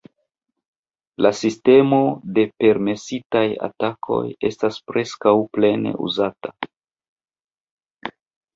La sistemo de "permesitaj" atakoj estas preskaŭ plene uzata.